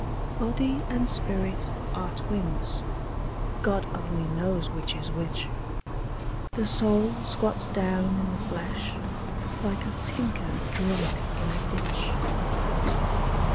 Body and spirit are twins: God only knows which is which: The soul squats down in the flesh, like a tinker drunk in a ditch.